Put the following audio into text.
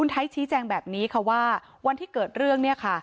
ไทยชี้แจงแบบนี้ค่ะว่าวันที่เกิดเรื่องเนี่ยค่ะ